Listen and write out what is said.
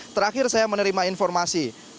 terakhir saya menerima informasi